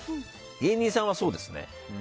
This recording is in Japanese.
芸人さんはそうですね。